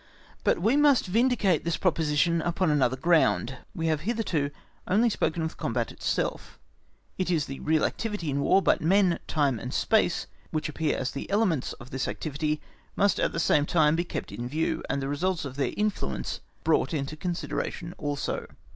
But we must vindicate this proposition upon another ground. We have hitherto only spoken of the combat itself; it is the real activity in War, but men, time, and space, which appear as the elements of this activity, must, at the same time, be kept in view, and the results of their influence brought into consideration also.